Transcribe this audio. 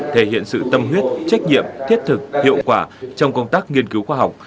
thể hiện sự tâm huyết trách nhiệm thiết thực hiệu quả trong công tác nghiên cứu khoa học